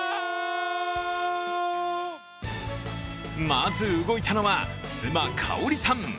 まず、動いたのは妻・香さん。